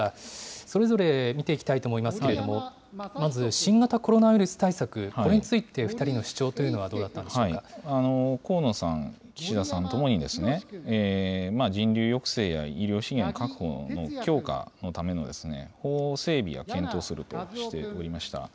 それぞれ見ていきたいと思いますけれども、まず新型コロナウイルス対策、これについて、２人の主張というのはどうだったんでしょ河野さん、岸田さんともに、人流抑制や医療資源の確保の強化のための法整備は検討するとしておりました。